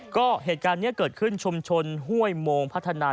ก็เหตุการณ์นี้เกิดขึ้นชุมชนห้วยโมงพัฒนา